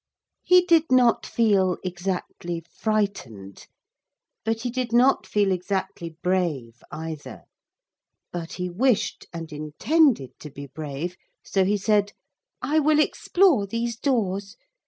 He did not feel exactly frightened. But he did not feel exactly brave either. But he wished and intended to be brave, so he said, 'I will explore these doors.